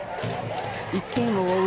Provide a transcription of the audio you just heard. １点を追う